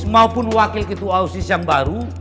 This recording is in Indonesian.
maupun wakil ketua osis yang baru